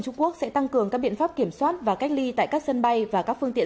trung quốc sẽ tăng cường các biện pháp kiểm soát và cách ly tại các sân bay và các phương tiện